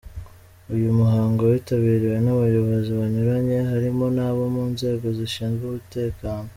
Uyu muhango witabiriwe n’abayobozi banyuranye harimo nabo mu nzego zishinzwe umutekano.